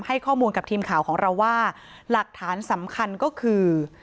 ให้ข้อมูลกับทีมข่าวของเราว่าหลักฐานสำคัญก็คือ